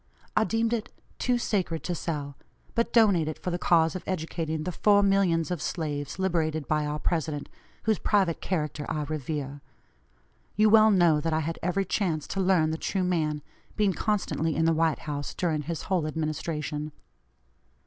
I deemed it too sacred to sell, but donate it for the cause of educating the four millions of slaves liberated by our President, whose private character I revere. You well know that I had every chance to learn the true man, being constantly in the White House during his whole administration.